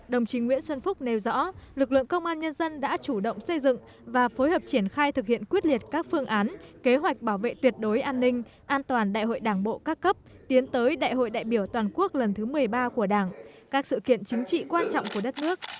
đồng chí nguyễn xuân phúc nêu rõ lực lượng công an nhân dân đã chủ động xây dựng và phối hợp triển khai thực hiện quyết liệt các phương án kế hoạch bảo vệ tuyệt đối an ninh an toàn đại hội đảng bộ các cấp tiến tới đại hội đại biểu toàn quốc lần thứ một mươi ba của đảng các sự kiện chính trị quan trọng của đất nước